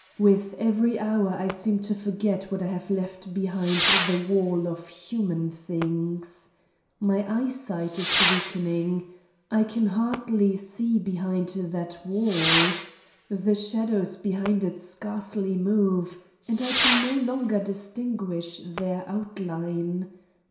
With every hour I seem to forget what I have left behind the wall of human things. My eyesight is weakening. I can hardly see behind that wall. The shadows behind it scarcely move and I can no longer dis tinguish their outline.